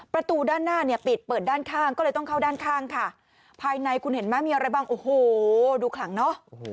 ประตูด้านหน้าเนี่ยปิดเปิดด้านข้างก็เลยต้องเข้าด้านข้างค่ะภายในคุณเห็นไหมมีอะไรบ้างโอ้โหดูขลังเนอะ